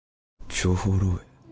情報漏洩？